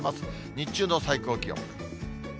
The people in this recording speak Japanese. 日中の最高気温。